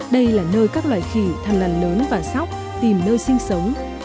đây là nơi các loài khỉ thằn lằn lớn và sóc tìm nơi sinh sống